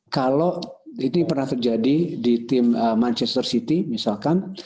kalau ini pernah terjadi di tim manchester city misalkan